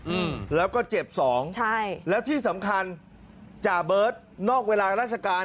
อืมแล้วก็เจ็บสองใช่แล้วที่สำคัญจ่าเบิร์ตนอกเวลาราชการ